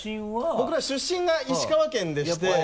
僕ら出身が石川県でして。